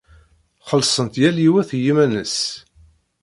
Xellṣent yal yiwet i yiman-nnes.